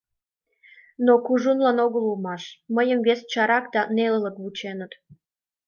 Но, кужунлан огыл улмаш, мыйым вес чарак да нелылык вученыт.